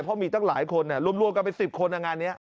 เพราะมีตั้งหลายคนรวมกันเป็น๑๐คนงานนี้